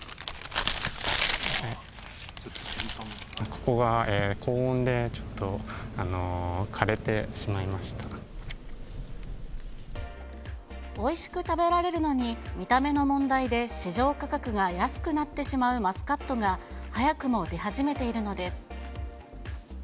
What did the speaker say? ここが高温で、おいしく食べられるのに、見た目の問題で市場価格が安くなってしまうマスカットが、早くも出始めているのです。